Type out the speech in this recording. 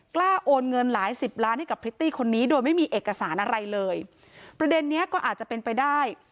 โอนเงินหลายสิบล้านให้กับพริตตี้คนนี้โดยไม่มีเอกสารอะไรเลยประเด็นนี้ก็อาจจะเป็นไปได้